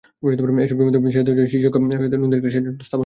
এসব জমিতে সেচ দেওয়ার জন্য শিজক নদীতে একটি সেচযন্ত্র স্থাপন করা হয়েছে।